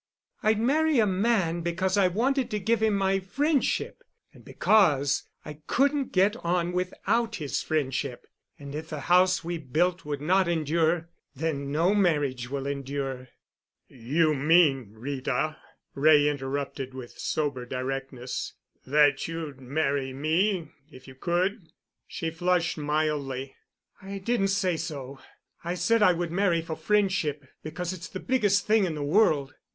I'd marry a man because I wanted to give him my friendship and because I couldn't get on without his friendship, and if the house we built would not endure, then no marriage will endure." "You mean, Rita," Wray interrupted with sober directness, "that you'd marry me if you could?" She flushed mildly. "I didn't say so. I said I would marry for friendship because it's the biggest thing in the world.